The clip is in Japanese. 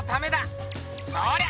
そりゃ！